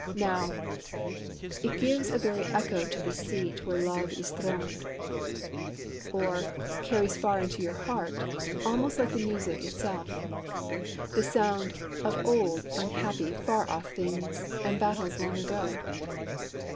Now It gives a very echo to the seat Where Love is throned; or 'carries far into your heart,' almost like music itself, the sound Of old, unhappy, far off things And battles long ago.